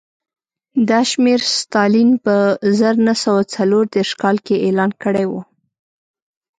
دا شمېر ستالین په زر نه سوه څلور دېرش کال کې اعلان کړی و